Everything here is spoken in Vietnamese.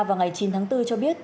vào ngày chín tháng bốn cho biết